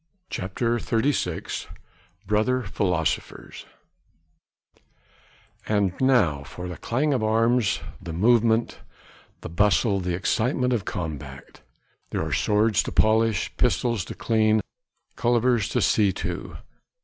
CHAPTER XXXVI BROTHER PHILOSOPHERS And now for the clang of arms, the movement, the bustle, the excitement of combat! There are swords to polish, pistols to clean, cullivers to see to!